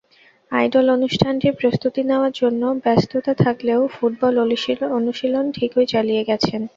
Idol অনুষ্ঠানটির প্রস্তুতি নেওয়ার জন্য ব্যস্ততা থাকলেও ফুটবল অনুশীলন ঠিকই চালিয়ে গেছেন।